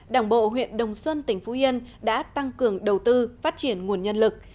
đảng bộ huyện đồng xuân tỉnh phú yên đã tăng cường đầu tư phát triển nguồn nhân lực